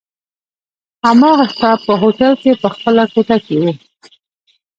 هماغه شپه په هوټل کي په خپله کوټه کي وو.